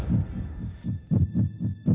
pikiran lu balik lagi ke tristan